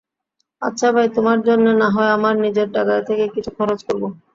আচ্ছা ভাই, তোমার জন্যে না-হয় আমার নিজের টাকা থেকে কিছু খরচ করব।